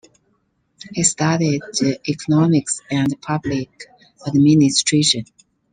He studied economics and public administration.